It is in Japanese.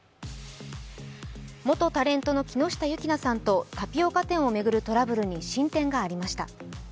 元タレントの木下優樹菜さんとタピオカ店を巡るトラブルに進展がありました。